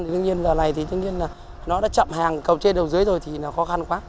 tuy nhiên giờ này thì tất nhiên là nó đã chậm hàng cầu trên đầu dưới rồi thì là khó khăn quá